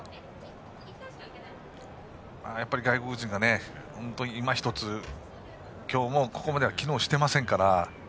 やっぱり外国人が今ひとつ、今日もここまでは機能していませんから。